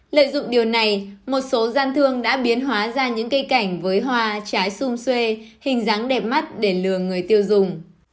lợi dụng điều này một số gian thương đã biến hóa ra những cây cảnh với hoa trái xung xuê hình dáng đẹp mắt để lừa người tiêu dùng